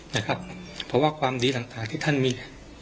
นะครับเพราะว่าความดีต่างที่ท่านมี